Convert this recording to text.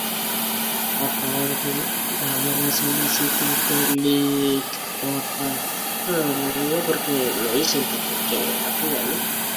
A solicitud del Lic.